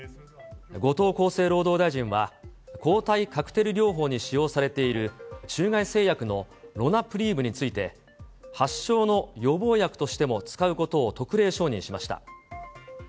後藤厚生労働大臣は、抗体カクテル療法に使用されている中外製薬のロナプリーブについて、発症の予防薬としても使うことを特例承認しました。